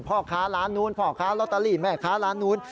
พ่อค้าร้านนู้นพ่อค้าลอตเตอรี่แม่ค้าร้านนู้น